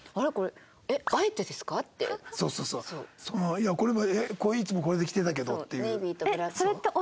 「いやこれいつもこれで着てたけど」っていう。